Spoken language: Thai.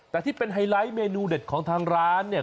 แต่ที่เป็นไฮไลท์เมนูเด็ดของทางร้านเนี่ย